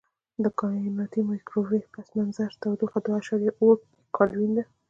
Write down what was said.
د کائناتي مایکروویو پس منظر تودوخه دوه اعشاریه اووه کیلوین ده.